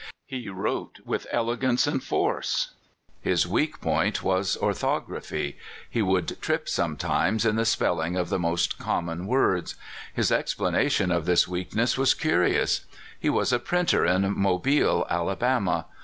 He wrote with elegance and force. His weak point was or thography. He would trip sometimes in the spell ing of the most common words. His explanation of this weakness was curious: He was a printer in Mobile, Alabama.